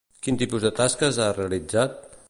Quin tipus de tasques ha realitzat?